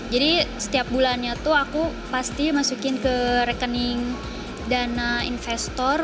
jadi setiap bulannya itu aku pasti masukin ke rekening dana investor